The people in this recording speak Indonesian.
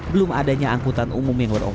belum adanya angkutan umum yang beroperasi